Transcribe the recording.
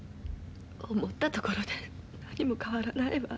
思ったところで何も変わらないわ。